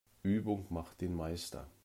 Übung macht den Meister.